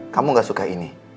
kamu gak suka ini